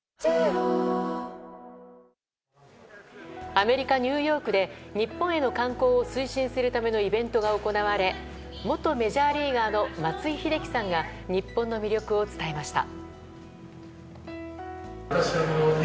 アメリカ・ニューヨークで日本への観光を推進するためのイベントが行われ元メジャーリーガーの松井秀喜さんが日本の魅力を伝えました。